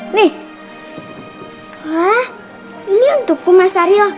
ini untukku mas saryo